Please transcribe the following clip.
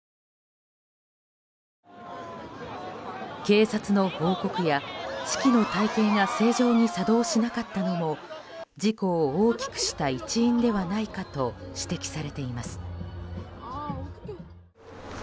警察の報告や指揮の体系が正常に作動しなかったのも事故を大きくした一因ではないかと指摘されています。